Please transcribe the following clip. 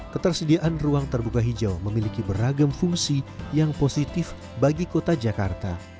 ketersediaan ruang terbuka hijau memiliki beragam fungsi yang positif bagi kota jakarta